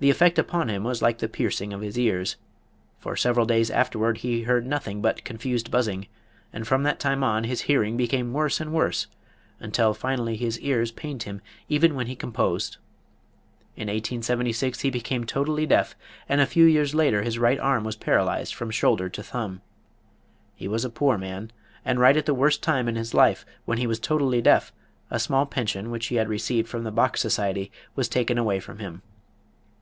The effect upon him was like the piercing of his ears. For several days afterward he heard nothing but confused buzzing, and from that time on his hearing became worse and worse, until finally his ears pained him even when he composed. In 1876 he became totally deaf, and a few years later his right arm was paralyzed from shoulder to thumb. He was a poor man, and right at the worst time in his life, when he was totally deaf, a small pension which he had received from the Bach Society was taken away from him.